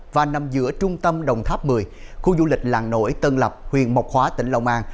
và nằm giữa trung tâm đồng tháp một mươi khu du lịch làng nổi tân lập huyện mộc hóa tỉnh long an